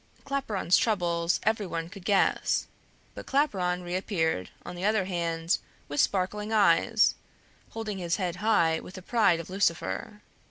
Claparon's troubles everyone could guess; but Claparon reappeared, on the other hand, with sparkling eyes, holding his head high with the pride of Lucifer.